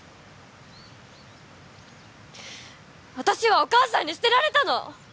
私はお母さんに捨てられたの！